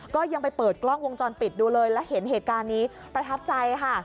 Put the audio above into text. ก็ยังไปเปิดกล้องวงจรปิดดูเลยแล้วเห็นเหตุการณ์นี้ประทับใจค่ะ